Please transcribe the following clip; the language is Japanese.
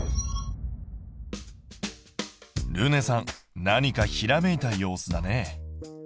るねさん何かひらめいた様子だね。